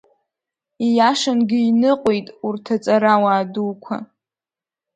Ииашангьы иныҟәеит урҭ аҵарауаа дуқәа.